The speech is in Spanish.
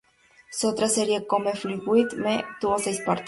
Su otra serie "Come Fly with Me" tuvo seis partes.